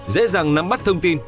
dễ dàng nắm bắt thông tin